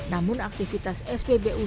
namun aktivitas spbu